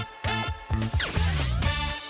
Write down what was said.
ตอนนี้ไม่ลงแล้ว